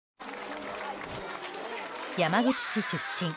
山口市出身。